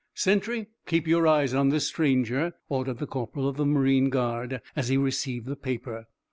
"Sentry, keep your eyes on this stranger," ordered the corporal of the marine guard, as he received the paper.